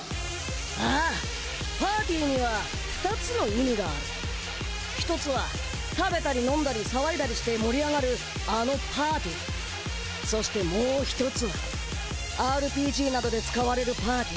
ああ「パーティ」には２つの意味がある１つは食べたり飲んだり騒いだりして盛り上がるあの「パーティ」そしてもう１つはＲＰＧなどで使われる「パーティ」